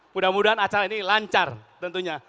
mudah mudahan acara ini lancar tentunya